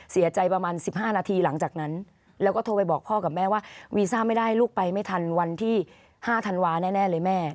เสียใจประมาณ๑๕นาทีหลังจากนั้นแล้วก็โทรไปบอกพ่อกับแม่ว่าวีซ่าไม่ได้ลูกไปไม่ทันวันที่๕ธันวาแน่เลยแม่